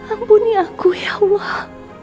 ampuni aku ya allah